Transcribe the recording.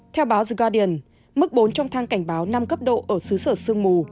theo báo the guardian mức bốn trong thang cảnh báo năm cấp độ ở xứ sở sương mù